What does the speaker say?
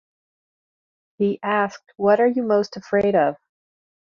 He asked, What are you most afraid of?